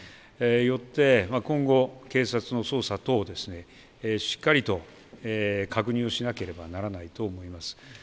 よって今後、警察の捜査等をしっかりと確認をしなければならないと思います。